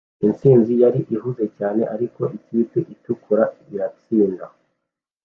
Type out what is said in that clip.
Intsinzi yari ihuza cyane ariko ikipe itukura iratsinda